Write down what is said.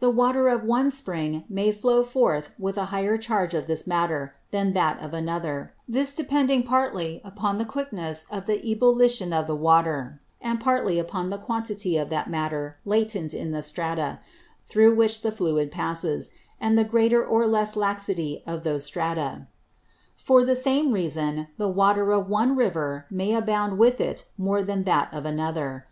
The Water of one Spring may flow forth with an higher Charge of this Matter, than that of another; this depending partly upon the quickness of the Ebullition of the Water, and partly upon the Quantity of that Matter latent in the Strata, through which the Fluid passes, and the greater or less laxity of those Strata. For the same Reason, the Water of one River may abound with it more than that of another.